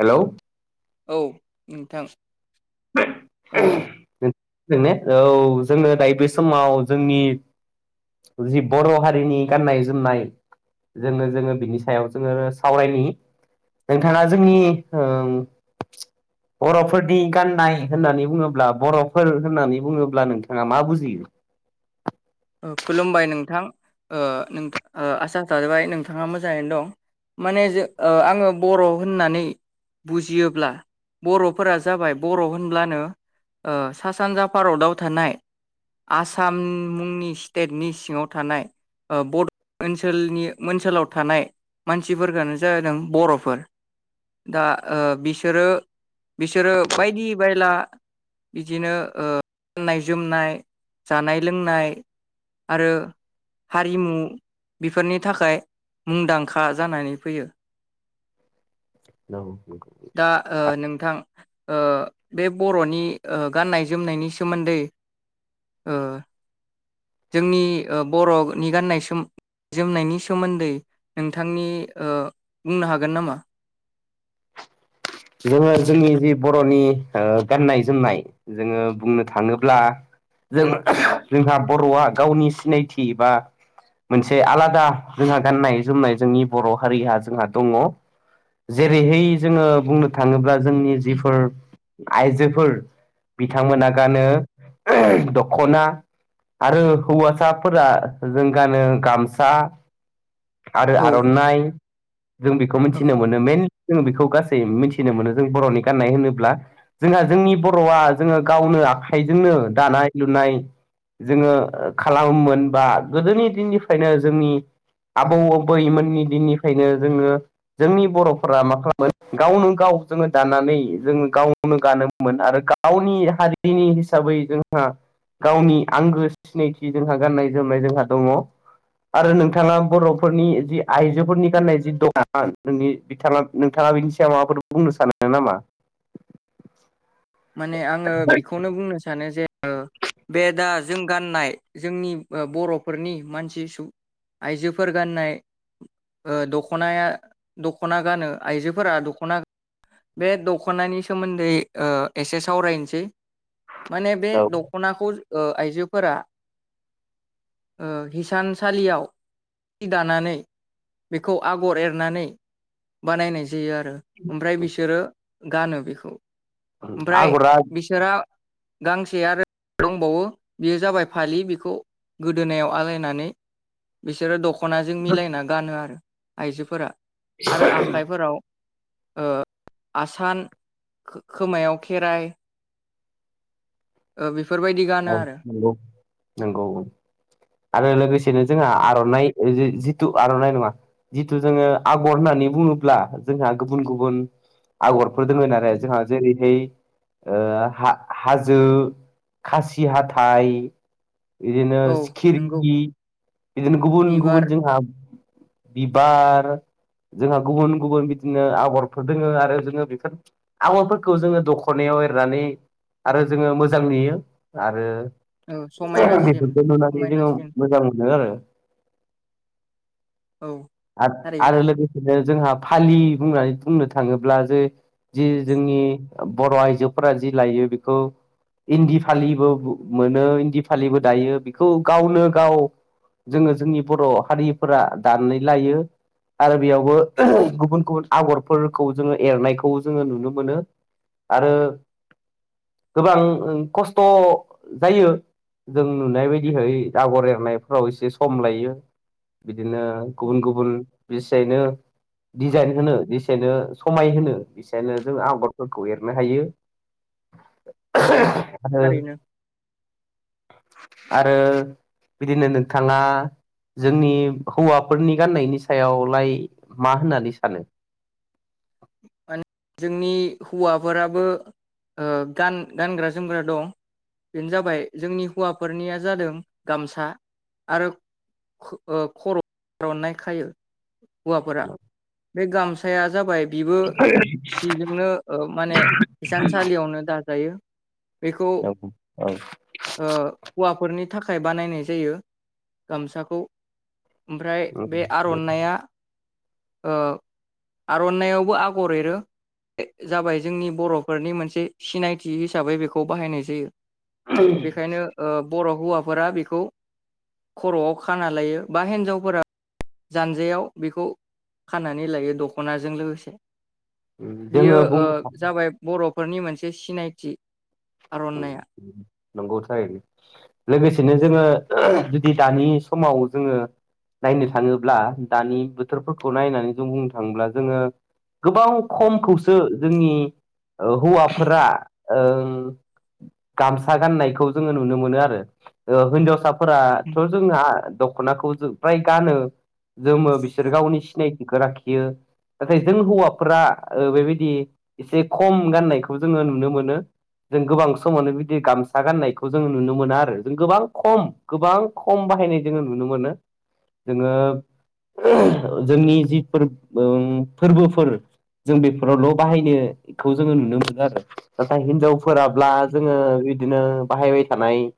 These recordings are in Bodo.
हेल' औ नोंथां ओ [inaudible] औ जोङो दायो बे समाव जोंनि जि बर' हारिनि गाननाय-जोमनाय जोङो जोङो बिनि सायाव जोङो सावरायनि। नोंथाङा जोंनि ओ बरफोरनि गान नाय होननानै बुङोब्ला बर'फोर होननानै बुङोब्ला नोंथाङा मा बुजियो ओ खुलुमबाय नोंथां ओ नोंथां ओ आसा थाबाय नोंथाङा मोजाङैनो दं माने जो ओ आङो बर' होननानै बुजियोब्ला बरफोरा जाबाय बर' होनब्लानो ओ सा सानजा भारताव थानाय आसाम मुंनि स्तेतनि सिङाव थानाय ओ बर' ओनसोलनि ओनसोलाव थानाय मानसिफोरखौनो जादों बर'फोर दा ओ बिसोरो बिसोरो बायदि बायला बिदिनो ओ गाननाय-जोमनाय जानाय लों नाय आरो हारिमु बेफोरनि थाखाय मुंदांखा जानानै फैयो। औ दा ओ नोंथां ओ बे बर'नि ओ गाननाय जोमनायनि सोमोन्दै ओ जोंनि ओ बर'नि गाननाय जोमनायनि सोमोन्दै नोंथांनि ओ बुंनो हागोन नामा? जोङो जोंनि जि बर'नि ओ गाननाय-जोमनाय जोङो बुंनो थाङोब्ला जों जोंहा बर'आ गावनि सिनायथि बा मोनसे आलादा जोंहा गाननाय-जोमनाय जोंनि बर' हारिहा जोंहा दङ। जेरैहाय जोङो बुंनो थाङोब्ला जोंनि जिफोर आइजोफोर बिथांमोना गानो दखना आरो हौवासाफोरा जों गानो गामसा आरो औ आरननाय जों बेखौ औ मिथिनो मोनो मेन जोंङो बेखौ गासै मिथि थिनो मोनो जों बर'नि गाननाय होनोब्ला जोंहा जोंनि बर'आ जोङो गावनो आखाइजोंनो दानाय लुनाय जोङो खालामो मोन बा गोदोनि दिननिफ्रायनो जोंनि आबौ-आबैमोननि दिननिफ्रायनो जोङो जोंनि बर'फोरा मा खालामोमोन गावनो गाव जोङो दानानै जोङो गावनो गानोमोन आरो गावनि हारिनि हिसाबै जोंहा गावनि आंगो सिनायथि जोंहा गाननाय जोमनाय जोंहा दङ आरो नोंथाङा बरफोरनि जि आइजोफोरनि गाननाय जि दङ। नोंनि बिथाङा नोंथाङा बिनि सायाव माबाफोर बुंनो सानो नामा माने आङो बिखौनो बुंनो सानो जे ओ बे दा जों गाननाय जोंनि ओ बर'फोरनि मानसि सुबुं आइजोफोर गाननाय ओ दखनाया दखना गानो आइजोफोरा दखना गान बे दखनानि सोमोन्दै ओ एसे सावरायनोसै माने बे औ दखनाखौ ओ आइजोफोरा ओ हिसानसालियाव जि दानानै बेखौ आगर एरनानै बानायनाय जायो आरो ओमफ्राय बिसोरो गानो बेखौ ओमफ्राय आगरा बिसोरा गांसे आरो दंबावो बियो जाबाय फालि बिखौ गोदोनायाव आलायनानै बिसोरो द ख'नाजों मिलायना गानो आरो आइजोफोरा। आरो आखाइफोराव ओ आसान खो-खोमायाव खेराय ओ गानो औ आरो नोंगौ नोंगौ ओं। आरो लोगोसेनो जोंहा आर'नाइ ओ जे जिथु आर'नाइ नङा जिथु जोङो आग'र होन्नानै बुङोब्ला जोंहा गुबुन गुबुन आग'र फोर दोंमोन आरो जोंहा। जेरैहाय ओ हा-हाजो, खासि हाथाइ, औ इदिनो सिखिरि नंगौ बिदिनो गुबुन बिबार गुबुन जोंहा बिबार जोंहा गुबुन गुबुन बिदिनो आग'रफोर दोङो आरो जोङो बेफोर आग'रफोरखौ जोङो दख'नायाव एरनानै आरो जोङो मोजां नुयो। आरो औ समायनासिम बेफोरखौ नुनानै जोङो समायनासिम मोजां मोनो आरो। औ [inaudible] आरो आरो थारैनो लोगोसेनो जोंहा फालि बुंनानै बुंनो थाङोब्ला जो जि जोंनि बर' आइजोफोरा जि लायो बेखौ इन्दि फालिबो मोनो इन्दि फालिबो दायो बेखौ गावनो गाव जोङो जोंनि बर' हारिफोरा दानानै लायो। आरो बेयावबो गुबुन गुबुन आग'रफोरखौ जोङो एरनायखौ जोङो नुनो मोनो। आरो गोबां खस्थ' जायो जों नुनाय बायदिहै आग'र एरनायफ्राव एसे सम लायो। बिदिनो गुबुन गुबुन बेसेनो डिजाइन होनो जेसेनो समाय होनो एसेनो जों आग'रफोरखौ एरनो हायो। औ [inaudible] थारैनो। आरो बिदिनो नोंथाङा जोंनि हौवाफोरनि गान्नायनि सायावलाय मा होन्नानै सानो? माने जोंनि हौवाफोराबो ओ गान-गानग्रा जोमग्रा दं। बेनो जाबाय जोंनि हौवाफोरनिया जादों गामसा आरो ख ओ खर' आर'नाइ खायो हुवाफोरा। बे गामसाया जाबाय बेबो सिजोंनो ओ माने हिसानसालियावनो दाजायो। बेखौ ओ हुवाफोरनि थाखाय बानायनाय जायो गामसाखौ। ओमफ्राय बे आर'नाइया ओ आरननाइयावबो आ गर एरो ए जाबाय जोंनि बर'फोरनि मोनसे सिनायथि हिसाबै बेखौ बाहायनाय जायो। बेखायनो ओ बर' हौवाफोरा बेखौ खर'आव खाना लायो बा हिन्जावफोरा जानजाइयाव बेखौ खानानै लायो दखनाजों लोगोसे। जोङो बियो ओ बुंनो जाबाय बरफ फोरनि मोनसे सिनायथि। ओम आर'नाइया नंगौ थारैनो लोगोसेनो जोङो जुदि दानि समाव जोङो नायनो थाङोब्ला दानि बोथोरफोरखौ नायनानै जों बुंनो थाङोब्ला जोङो गोबां खमखौसो जोंनि ओ हौवाफोरा ओं गामसा गाननायखौ जोङो नुनो मोनो आरो होनजावसा फोराथ‌' जोंहा दखनाखौ जो फ्राय गानो जोमो बिसोर गावनि सिनायथिखौ लाखियो नाथाय जों हौवाफोरा बेबायदि एसे खम गाननायखौ जोङो नुनो मोनो जों गोबां समावनो बिदि गामसा गाननायखौ जों नुनो मोना आरो गोबां खम गोबां खम बाहायनाय जों नुनो मोनो जोंनि जि फोरबोफोर जों बेफोरावल' बाहायनायखौ जोङो नुनो मोनो आरो नाथाय हिनजावफोराब्ला जोङो बिदिनो बाहायबाय थानाय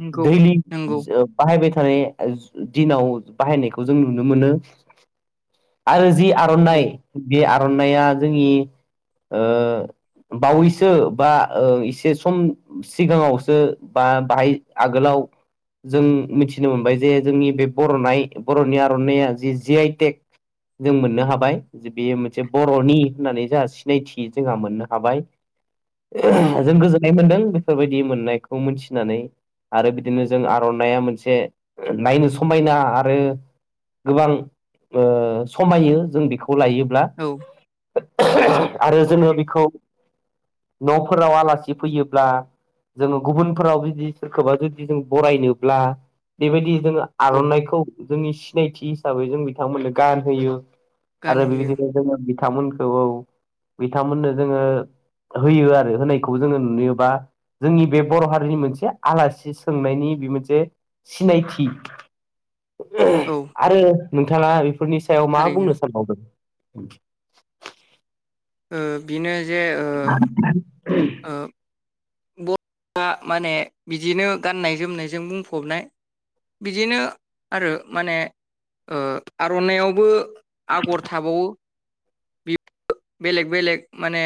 नंगौ दैलि नंगौ बाहायबाय थानाय दिनाव बाहायनायखौ जों नुनो मोनो आरो जि औ आर'नाइ बे आर'नाइया ओ जोंनि बावैस सो बा एसे सम सिगाङावसो बा बाहाय आगोलाव जों मिथिनो मोनबाय जे जोंनि बे बरनाय-बर'नि आर'नाइया जि जि आइ टेक जों मोननो हाबाय जे बेयो मोनसे बर'नि होननानै जोंहा सिनायथि जोंहा मोननो हाबाय। औ जों गोजोननाय मोन्दों बेफोरबायदि मोननायखौ मोनथिनानै आरो बिदिनो जों आर'नाइया मोनसे नायनो समायना आरो गोबां समायो जों बेखौ खौ लायोब्ला औ आरो जोङो थारैनो बेखौ न'फोराव आलासि फैयोब्ला जोङो गुबुनफोराव जुदि सोरखौबा जुदि जों बरायनोब्ला बेबायदि जोङो औ आर'नाइखौ जोंनि सिनायथि हिसाबै जों बिथांमोननो गानहोयो। आरो गानहैयो बिबायदिनो जोङो बिथांमोनखौ औ बिथांमोननो जोङो होयो आरो होनायखौ जोङो नुयोबा जोंनि बे बर' हारिनि मोनसे आलासि सोंनायनि बे मोनसे सिनायथि। औ आरो नोंथाङा फोरनि सायाव मा थारैनो बुंनो सानबावदों? [inaudible] ओ बेनो जे ओ [unintelligible] दा माने बिदिनो गाननाय जोमनायजों बुंफबनाय बिदिनो आरो माने ओ आर'नाइ आवबो आगर थाबावो। बे बेलेग बेलेग माने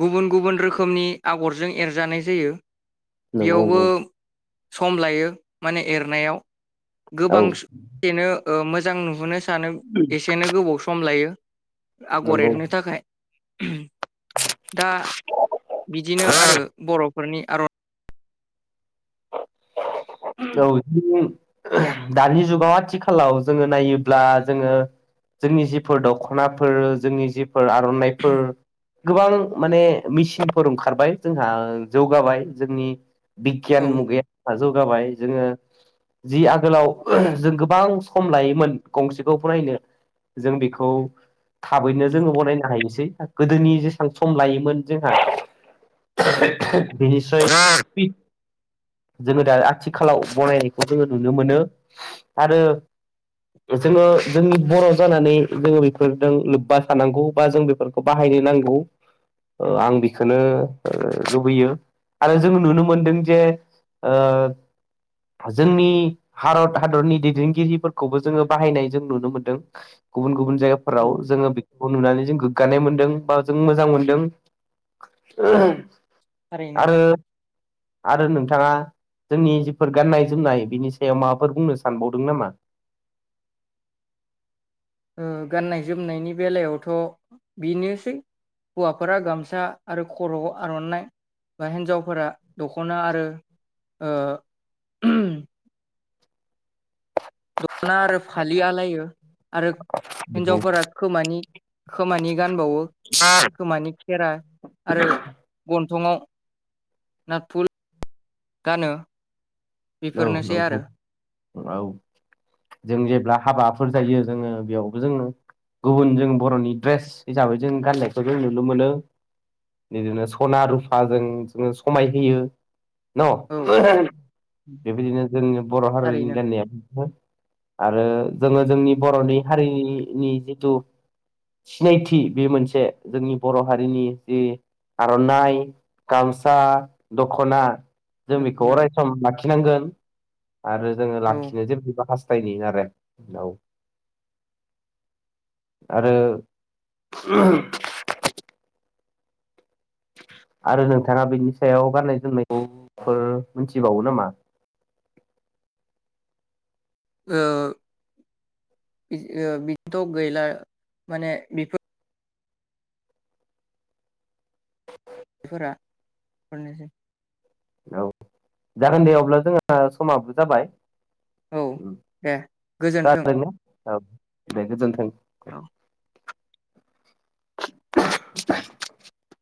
गुबुन गुबुन रोखोमनि आगरजों एरजानाय जायो। नंगौ बेयावबो औ सम लायो माने एरनायाव औ गोबां सेनो ओ मोजां नुहोनो सानो एसेनो गोबाव सम लायो। आगर नंगौ औ एरनो थाखाय ओम दा बिदिनो आरो बरफ नि आगर [inaudible] औ दानि जुगाव आथिखालाव जोङो नायोब्ला जोङो जोंनि जिफोर दखनाफोर जोंनि जिफोर आर'नाइफोर गोबां माने मेचिनफोर ओंखारबाय जोंहा जौगाबाय जोंनि बि औ गियान मुगाया जौ गाबाय जोङो जि आगोलाव जों गोबां सम लायोमोन गंसेखौ बनायनो जों बेखौ थाबैनो जोङो बनायनो हायोसै। गोदोनि जेसेबां सम लायोमोन जोंहा बेनिसय जोङो दा आथिखालाव बनायनायखौ जोङो नुनो मोनो आरो जोङो जोंनि बर' जानानै जोङो बेफोरजों लोब्बा थानांगौ बा जों बेफोरखौ बाहायनो नांगौ ओ आं बेखौनो लुबैयो आरो जों नुनो मोनदों। दि ओ जोंनि भारत हादरनि दैदेनगिरिफोरखौबो जोङो बाहायनाय जों नुनो मोनदों गुबुन गुबुन औ जायगाफोराव जोङो बेखौ नुनानै जों गो गगानाय मोनदों बा जों मोजां मोनदों। थारैनो आरो आरो नोंथाङा जोंनि जिफोर गाननाय जोमनाय बिनि सायाव माबाफोर बुंनो सानबावदों नामा? ओ गाननाय जोमनायनि बेलायावथ बेनोसै हौवाफोरा गामसा आरो खर आव आरनाइ बा हिन्जावफोरा दखना आरो ओ दखना आरो फालि आलायो। आरो हिन्जावफोरा खोमानि खोमानि गानबावो खोमानि खेरा आरो गन थङाव नाथफुल गानो। औ बेफोरनोसै नंगौ आरो औ जों जेब्ला हाबाफोर जायो जोङो बेयावबो जोङो गुबुन जों बर'नि दड्रेस हिसाबै जों गाननायखौ जों नुनो मोनो बिदिनो सना रुफाजों जों समाय होयो। औ न बिदिनो जोंनि बर'हारिनि थारैनो गान्नायाबो आरो जोङो जोंनि बर'नि हारिनि जिथु सिनायथि बे मोनसे जोंनि बर' हारिनि जि आरनाइ गामसा दखना जों बेखौ दख'ना अराय सम लाखि नांगोन। आरो जोङो औ लाखिनो [unintelligible] बायदिनो आरो औ आरो आरो नोंथाङा बिनि सायाव गाननाय जोमनायफोर ओ मोनथिबावो नामा? ओ बिदि ओ बिदिथ गैला माने बेफोर [unintelligible] औ जागोन दे अब्ला जोंहा समाबो जाबाय। औ उम दे गोजोन्थों खोनादों ने औ। दे गोजोनथों। औ। [inaudible]